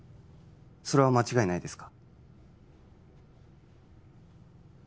それは間違いないですか？